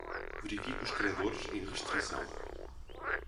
Verifique os credores em restrição.